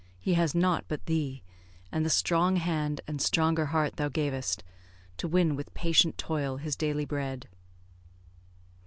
He has naught but thee, And the strong hand and stronger heart thou gavest, To win with patient toil his daily bread."